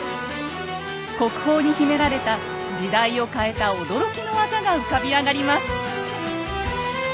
国宝に秘められた時代を変えた驚きの技が浮かび上がります。